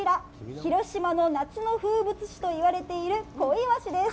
広島の夏の風物詩と言われている小イワシです。